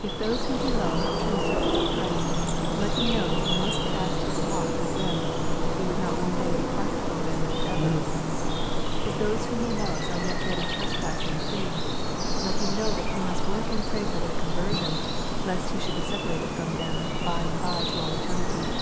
If those whom he loves are true servants of Christ, let him know that he must cast in his lot with them, if he would not one day be parted from them for ever. — ^If those whom he loves are yet dead in trespasses and sins, let him know that he must work and pray for their conversion, lest he should be separated from them by and bye to all eternity.